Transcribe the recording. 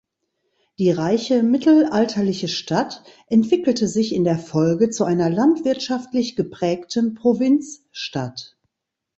Die reiche mittelalterliche Stadt entwickelte sich in der Folge zu einer landwirtschaftlich geprägten Provinzstadt.